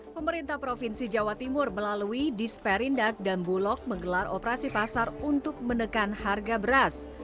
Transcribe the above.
pemerintah provinsi jawa timur melalui disperindak dan bulog menggelar operasi pasar untuk menekan harga beras